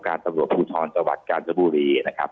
ท่านรองโฆษกครับ